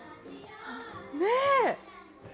ねえ。